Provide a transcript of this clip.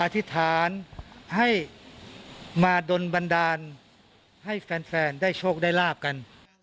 อธิษฐานให้มาดนบันดาลให้แฟนได้โชคได้ลาบกัน